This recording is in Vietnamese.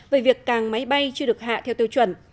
về việc càng máy bay chưa được hạ theo tiêu chuẩn